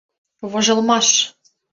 Вожылмаш!